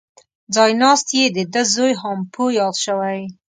ځای ناست یې دده زوی هامپو یاد شوی.